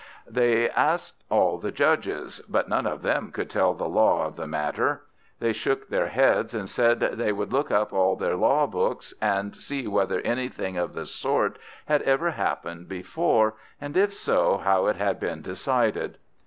They asked all the judges, but none of them could tell the law of the matter. They shook their heads, and said they would look up all their law books, and see whether anything of the sort had ever happened before, and if so, how it had been decided.